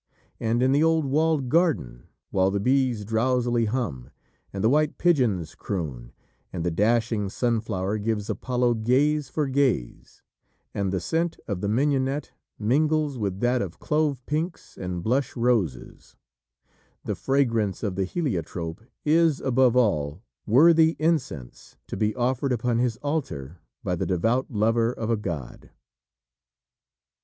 And in the old walled garden, while the bees drowsily hum, and the white pigeons croon, and the dashing sunflower gives Apollo gaze for gaze, and the scent of the mignonette mingles with that of clove pinks and blush roses, the fragrance of the heliotrope is, above all, worthy incense to be offered upon his altar by the devout lover of a god.